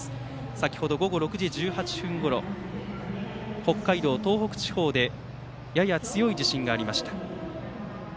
先程、午後６時１８分ごろ北海道、東北地方でやや強い地震がありました。